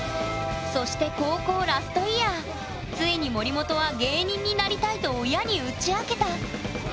そして高校ラストイヤーついに森本は「芸人になりたい」と親に打ち明けた。